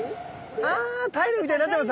あタイルみたいになってます。